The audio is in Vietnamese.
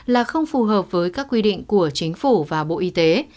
là không phù hợp với các quy định của chính phủ và bộ y tế